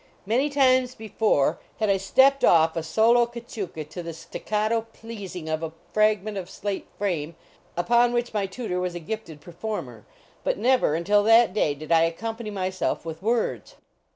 Many times before had I 261 THE STRIKE AT HINMAN S stepped off a solo cachuca to the staccato pleasing of a fragment of slate frame, upon which my tutor was a gifted performer, but never until that day did I accompany myself with words.